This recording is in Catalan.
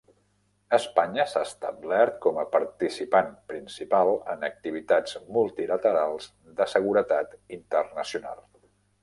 Espanya s'ha establert com a participant principal en activitats multilaterals de seguretat internacional.